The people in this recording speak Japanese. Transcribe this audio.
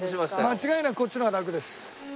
間違いなくこっちの方がラクです。